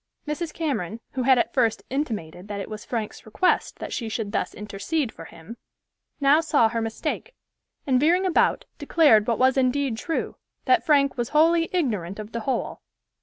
Mrs. Cameron, who had at first intimated that it was Frank's request that she should thus intercede for him, now saw her mistake, and veering about, declared what was indeed true, that Frank was wholly ignorant of the whole.